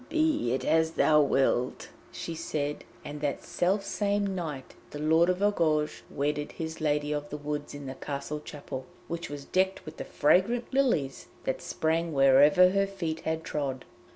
'Be it as thou wilt,' she said, and that self same night the Lord of Argouges wedded his Lady of the Woods in the castle chapel, which was decked with the fragrant lilies that sprang wherever her feet had trod.